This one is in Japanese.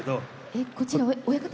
えこちら親方